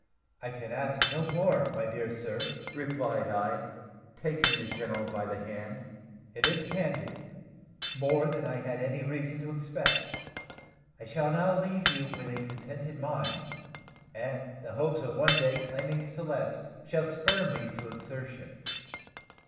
"I can ask no more, my dear sir," replied I, taking the general by the hand: "it is candid more than I had any reason to expect. I shall now leave you with a contented mind; and the hopes of one day claiming Celeste shall spur me to exertion."